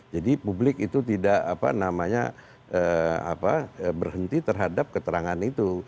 jadi publik itu tidak berhenti terhadap keterangan itu